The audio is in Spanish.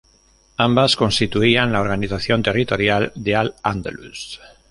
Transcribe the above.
Ambas constituían la organización territorial de al-Ándalus.